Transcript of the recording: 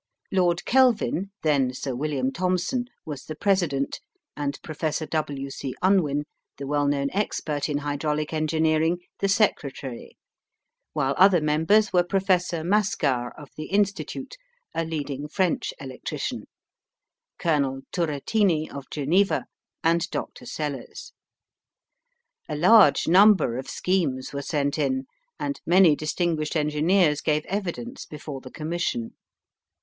Lord Kelvin (then Sir William Thomson) was the president, and Professor W. C. Unwin, the well known expert in hydraulic engineering, the secretary, while other members were Professor Mascart of the Institute, a leading French electrician; Colonel Turretini of Geneva, and Dr. Sellers. A large number of schemes were sent in, and many distinguished engineers gave evidence before the Commission.